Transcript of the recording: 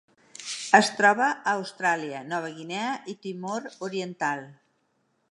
Es troba a Austràlia, Nova Guinea i Timor Oriental.